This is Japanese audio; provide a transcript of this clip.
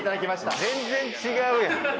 全然違うやん！